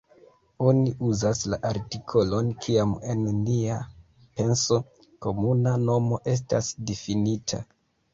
Oni uzas la artikolon kiam en nia penso komuna nomo estas difinita.